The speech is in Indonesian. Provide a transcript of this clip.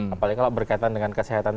apalagi kalau berkaitan dengan kesehatan